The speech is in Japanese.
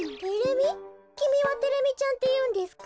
きみはテレミちゃんっていうんですか？